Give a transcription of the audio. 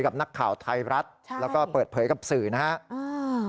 กับนักข่าวไทยรัฐใช่แล้วก็เปิดเผยกับสื่อนะครับ